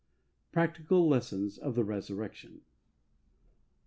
Practical Lessons of the Resurrection.